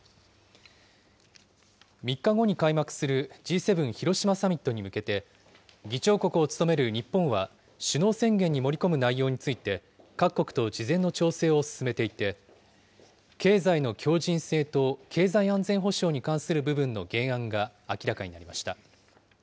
３日後に開幕するＧ７広島サミットに向けて、議長国を務める日本は、首脳宣言に盛り込む内容について、各国と事前の調整を進めていて、経済の強じん性と経済安全保障に関する部分の原案が明らかになりました。